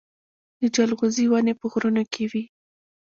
د جلغوزي ونې په غرونو کې وي